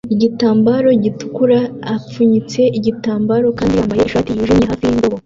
igitambaro gitukura apfunyitse igitambaro kandi yambaye ishati yijimye hafi yindobo